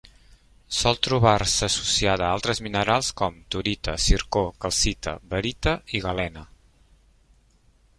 Sol trobar-se associada a altres minerals com: torita, zircó, calcita, barita i galena.